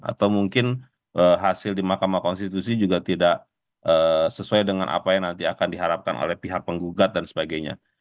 atau mungkin hasil di mahkamah konstitusi juga tidak sesuai dengan apa yang nanti akan diharapkan oleh pihak penggugat dan sebagainya